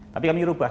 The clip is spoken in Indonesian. tapi kami ubah